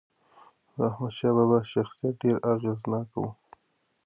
د احمدشاه بابا شخصیت ډېر اغېزناک و.